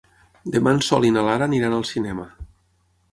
Demà en Sol i na Lara aniran al cinema.